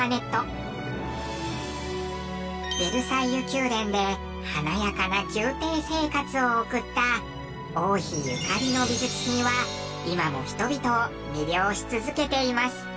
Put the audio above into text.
ヴェルサイユ宮殿で華やかな宮廷生活を送った王妃ゆかりの美術品は今も人々を魅了し続けています。